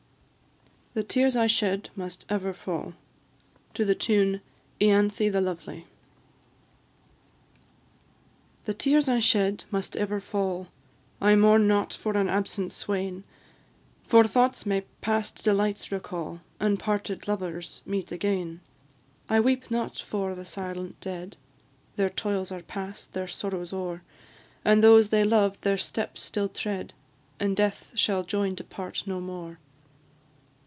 THE TEARS I SHED MUST EVER FALL. TUNE "Ianthe the Lovely." The tears I shed must ever fall: I mourn not for an absent swain; For thoughts may past delights recall, And parted lovers meet again. I weep not for the silent dead: Their toils are past, their sorrows o'er; And those they loved their steps shall tread, And death shall join to part no more.